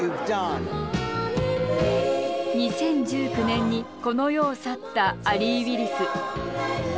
２０１９年にこの世を去ったアリー・ウィリス。